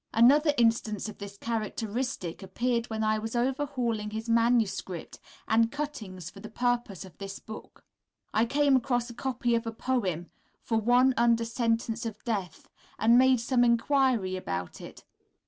Another instance of this characteristic appeared when I was overhauling his manuscript and cuttings for the purpose of this book. I came across a copy of a poem "For one under Sentence of Death," and made some enquiry about it.